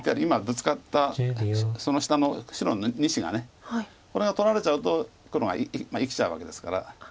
今ブツカったその下の白の２子がこれが取られちゃうと黒が生きちゃうわけですから。